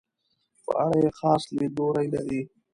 په اړه یې خاص لیدلوری لري.